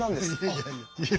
いやいやいや。